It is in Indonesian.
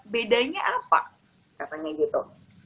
bedanya apa katanya gitu